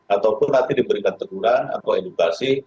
ataupun nanti diberikan teguran atau edukasi